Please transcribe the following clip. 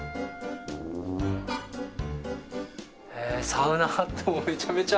サウナハットもめちゃめちゃある。